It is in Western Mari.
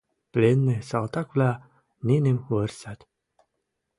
Пленный салтаквлӓ нинӹм вырсат.